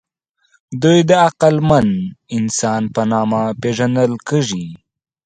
دوی د عقلمن انسان په نامه پېژندل کېږي.